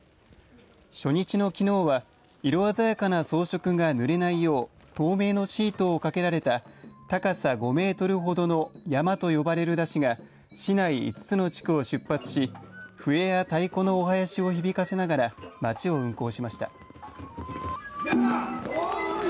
初日のきのうは色鮮やかな装飾がぬれないよう透明のシートをかけられた高さ５メートルほどのヤマと呼ばれる山車が市内５つの地区を出発し笛や太鼓のお囃子を響かせながら町を運行しました。